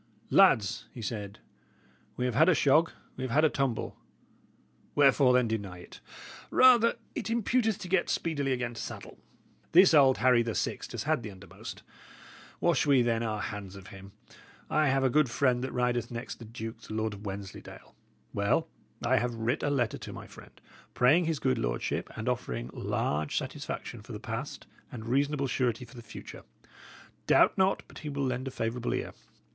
"Lads," he said, "we have had a shog, we have had a tumble; wherefore, then, deny it? Rather it imputeth to get speedily again to saddle. This old Harry the Sixt has had the undermost. Wash we, then, our hands of him. I have a good friend that rideth next the duke, the Lord of Wensleydale. Well, I have writ a letter to my friend, praying his good lordship, and offering large satisfaction for the past and reasonable surety for the future. Doubt not but he will lend a favourable ear.